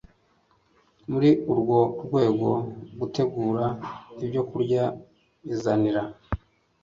Muri urwo rwego, gutegura ibyokurya bizanira